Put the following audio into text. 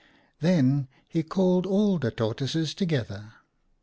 Then he called all the Tortoises together.